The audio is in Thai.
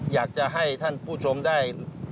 อยากจะให้ท่านผู้ชมได้